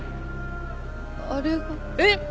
あれがえっ！？